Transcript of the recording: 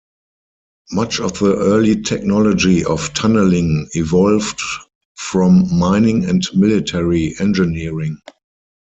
Much of the early technology of tunneling evolved from mining and military engineering.